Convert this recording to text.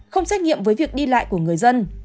không xét nghiệm với việc đi lại của người dân